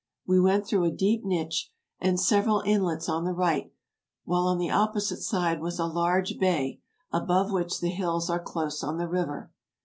We went through a deep niche and several inlets on the right, while on the opposite side was a large bay, above which the hills are close on the river.